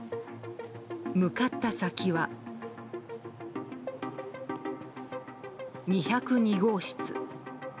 向かった先は２０２号室。